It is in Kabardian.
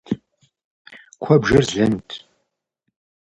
Куэбжэр злэнут.